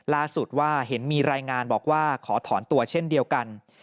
ล่าสุดว่าเห็นมีรายงานบอกว่าขอถอนตัวเช่นเดียวกัน